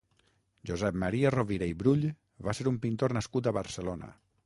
Josep Maria Rovira i Brull va ser un pintor nascut a Barcelona.